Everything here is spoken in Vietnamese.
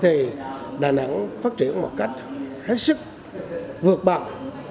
thì đà nẵng phát triển một cách hết sức vượt bậc